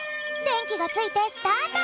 でんきがついてスタート！